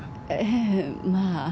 ええまあ。